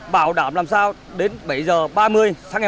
bảo đảm làm sao đến bảy giờ ba mươi sáng em